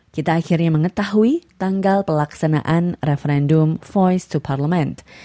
kita akhirnya mengetahui tanggal pelaksanaan referendum voice to parlemen